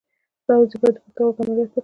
ایا زه باید د پښتورګو عملیات وکړم؟